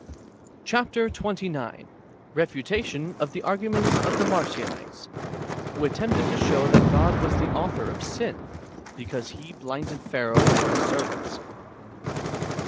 2 Chap. XXIX. — Refutation of the arguments of tlie Marcionites, loho attempted to sJioiv that God icas the author of sin, because He blinded Pharaoh and his servants.